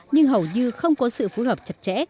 nhưng hầu như không có sự phù hợp chặt chẽ